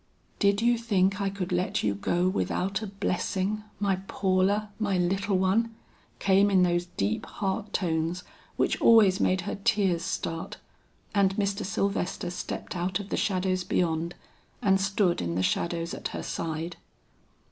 "Did you think I could let you go without a blessing, my Paula, my little one!" came in those deep heart tones which always made her tears start. And Mr. Sylvester stepped out of the shadows beyond and stood in the shadows at her side.